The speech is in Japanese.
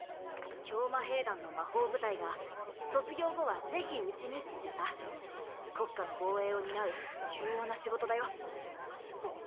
教魔兵団の魔法部隊が卒業後はぜひうちにってさ国家の防衛を担う重要な仕事だよ